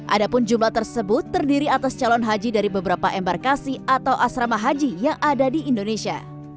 ada pun jumlah tersebut terdiri atas calon haji dari beberapa embarkasi atau asrama haji yang ada di indonesia